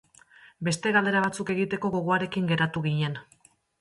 Beste galdera batzuk egiteko gogoarekin geratu ginen.